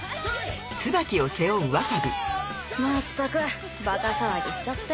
まったくバカ騒ぎしちゃって。